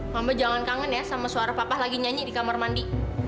mama jangan kangen ya sama suara papa lagi nyanyi di kamar mandi